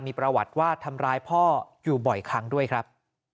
มีประวัติว่าทำร้ายพ่ออยู่บ่อยครั้งด้วยครับ